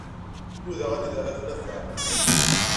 Nudaɣ anida ara ten-afeɣ.